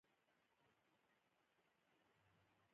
طبیعي زیرمې د افغانستان د ملي هویت نښه ده.